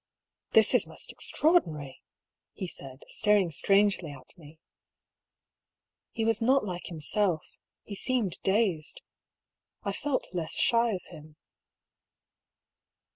"This is most extraordinary," he said, staring strangely at me. He was not like himself : he seemed dazed. I felt less shy of him.